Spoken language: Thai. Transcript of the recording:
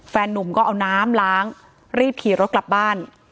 นุ่มก็เอาน้ำล้างรีบขี่รถกลับบ้าน